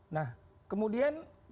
nah kemudian kita lihat